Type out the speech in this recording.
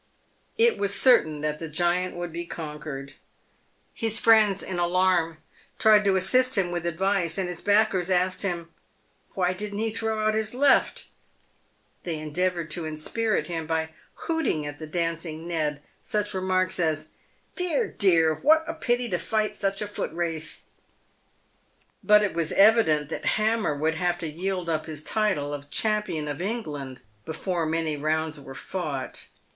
It was certain that the giant would be conquered. His friends, in alarm, tried to assist him with advice, and his backers asked him " "Why he didn't throw out his left ?" They endeavoured to inspirit him by hooting at the dancing Ned such remarks as, " Dear, dear, what a pity to fight such a foot race !" But it was evident that Hammer would have to yield up his title of champion of England before many rounds were fought.